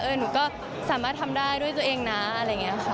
หนูก็สามารถทำได้ด้วยตัวเองนะอะไรอย่างนี้ค่ะ